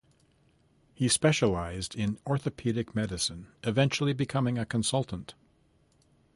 He specialised in orthopaedic medicine, eventually becoming a consultant.